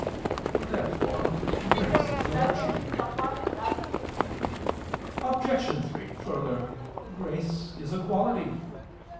Therefore grace is virtue. Obj. 3: Further, grace is a quality.